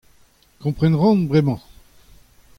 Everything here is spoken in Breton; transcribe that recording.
Kompren a ran bremañ.